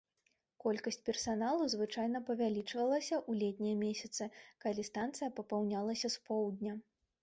Колькасць персаналу звычайна павялічвалася ў летнія месяцы, калі станцыя папаўнялася з поўдня.